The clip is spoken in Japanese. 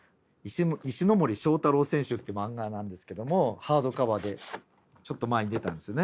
「石森章太郎選集」っていうマンガなんですけどもハードカバーでちょっと前に出たんですよね。